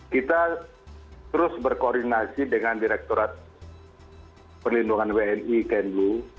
kita terus berkoordinasi dengan direkturat perlindungan wni kenlu